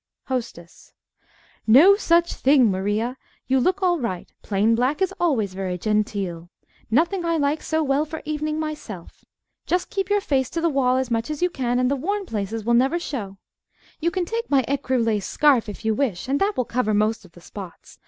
_ HOSTESS No such thing, Maria. You look all right. Plain black is always very genteel. Nothing I like so well for evening, myself. Just keep your face to the wall as much as you can, and the worn places will never show. You can take my ecru lace scarf, if you wish, and that will cover most of the spots.